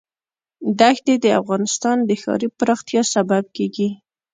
دښتې د افغانستان د ښاري پراختیا سبب کېږي.